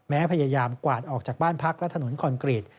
พยายามกวาดออกจากบ้านพักและถนนคอนกรีต